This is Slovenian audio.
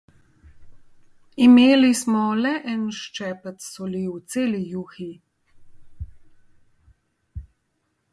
Imeli smo le en ščepec soli v celi juhi.